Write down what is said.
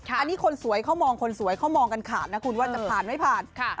อันนี้คนสวยเขามองคนสวยเขามองกันขาดนะคุณว่าจะผ่านไม่ผ่าน